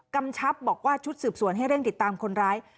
กำชับบอกว่าชุดสืบสวนให้เร่งติดตามคนร้าย